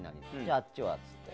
あっちは？